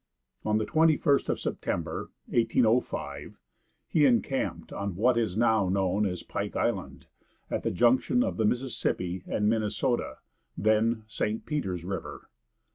On the 21st of September, 1805, he encamped on what is now known as Pike Island, at the junction of the Mississippi and Minnesota, then St. Peter's river.